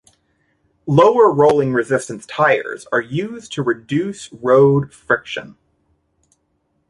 Lower rolling-resistance tires are used to reduce road friction.